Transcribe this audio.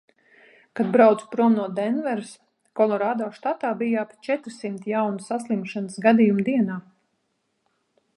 Kad braucu prom no Denveras, Kolorādo štatā bija ap četrsimt jaunu saslimšanas gadījumu dienā.